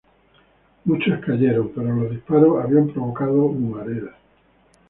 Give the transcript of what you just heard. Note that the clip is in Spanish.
Muchos cayeron, pero los disparos habían provocado humareda.